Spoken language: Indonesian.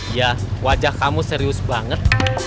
ya wajah kamu serius banget